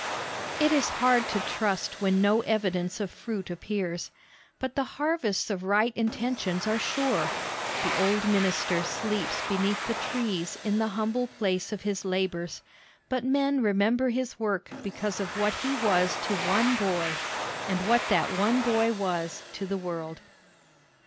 It is hard to trust when no evidence of fruit appears. But the harvests of right intentions are sure. The old minister sleeps beneath the trees in the humble place of his labors, but men remember his work because of what he was to one boy, and what that one boy was to the world.